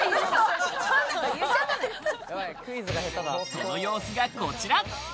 その様子がこちら。